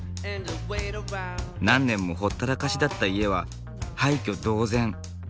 何年もほったらかしだった家は廃虚同然。